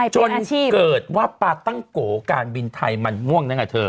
จนเกิดว่าปาตั้งโกการบินไทยมันม่วงนั่นไงเธอ